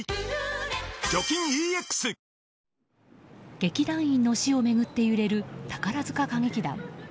劇団員の死を巡って揺れる宝塚歌劇団。